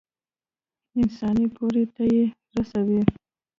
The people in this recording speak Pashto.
انساني پوړۍ ته يې رسوي.